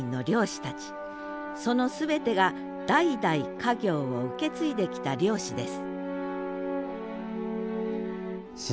その全てが代々家業を受け継いできた漁師です